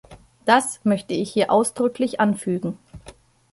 Das möchte ich hier ausdrücklich anfügen.